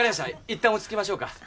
いったん落ち着きましょうか。